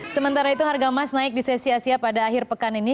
sementara itu harga emas naik di sesi asia pada akhir pekan ini